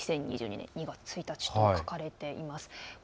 ２０２２年２月１日と書かれています。